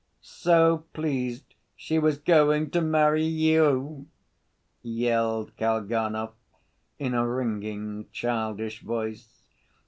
"So pleased she was going to marry you!" yelled Kalganov, in a ringing, childish voice.